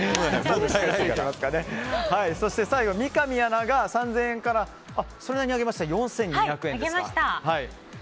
そして、最後三上アナが３０００円からそれなりに上げて４２００円ですか。